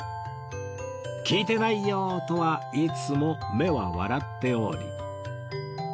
「聞いてないよォ」とは言いつつも目は笑っており